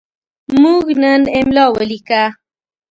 موږ نن املا ولیکه.